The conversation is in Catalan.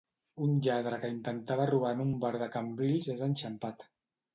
Un lladre que intentava robar en un bar de Cambrils és enxampat.